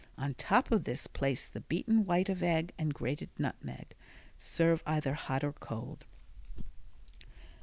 On top of this place the beaten white of egg and grated nutmeg. Serve either hot or cold.